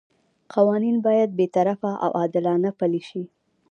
قوانین باید بې طرفه او عادلانه پلي شي.